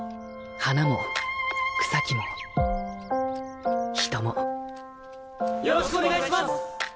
花も草木も人もよろしくお願いします！